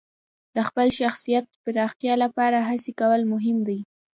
د خپل شخصیت پراختیا لپاره هڅې کول مهم دي.